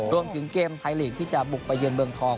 รวมถึงเกมไทยลีกที่จะบุกไปเยือนเมืองทอง